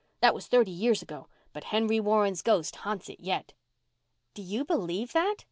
That was thirty years ago, but Henry Warren's ghost ha'nts it yet." "Do you believe that?"